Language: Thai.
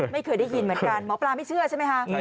ไม่เคยได้ยินเหมือนกันหมอปลาไม่เชื่อใช่ไหมคะ